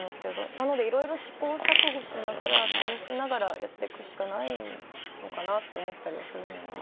なのでいろいろ試行錯誤しながら試しながらやっていくしかないのかなって思ったりはするんですけど。